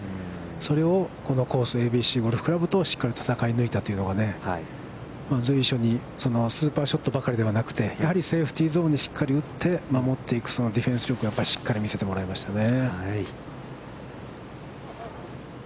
それをこのコース、ＡＢＣゴルフ倶楽部でしっかり戦い抜いたというのが、随所にそのスーパーショットばかりではなくて、やはりセーフティーゾーンにしっかり打って守っていく、そのディフェンス力をしっかり見せてもらいましたね。